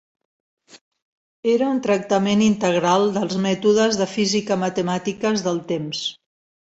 Era un tractament integral dels "mètodes de física matemàtiques" del temps.